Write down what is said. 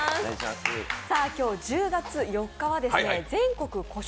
今日１０月４日は全国古書